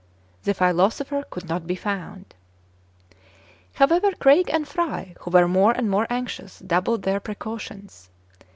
The philoso pher could not be found. However, Craig and Fry, who were more and more anxious, doubled their precautions.